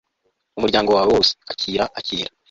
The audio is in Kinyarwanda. r/ umuryango wawe wose (akira, akira